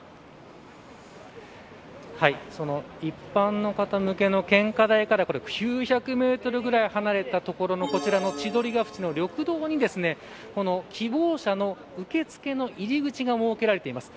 その一般の方向けの献花台から９００メートルぐらい離れた所のこちらの千鳥ヶ淵の緑道に希望者の受け付けの入り口が設けられています。